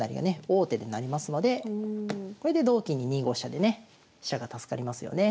王手で成りますのでこれで同金に２五飛車でね飛車が助かりますよね。